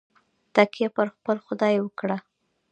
تکیه پر خپل خدای وکړه.